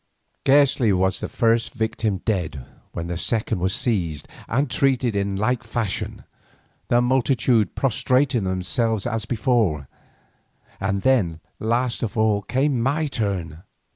Scarcely was the first victim dead when the second was seized and treated in a like fashion, the multitude prostrating themselves as before. And then last of all came my turn.